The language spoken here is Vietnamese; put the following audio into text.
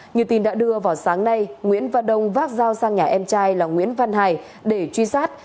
như tin đã đưa vào sáng nay nguyễn văn đông vác dao sang nhà em trai là nguyễn văn hải để truy sát